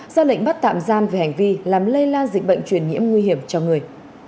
ra lệnh bắt tạm giam về hành vi làm lây lan dịch bệnh truyền nhiễm nguy hiểm cho người